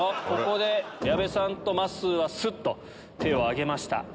ここで矢部さんとまっすーはスッと手を挙げました。